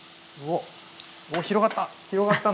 お広がった！